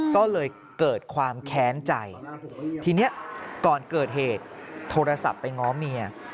ก็เลยเกิดความแค้นใจทีนี้ก่อนเกิดเหตุโทรศัพท์ไปง้อเมีย